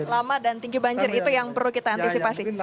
lama dan tinggi banjir itu yang perlu kita antisipasi